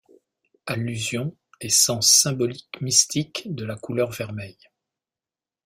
Allusion et sens symbolique-mystique de la couleur vermeille.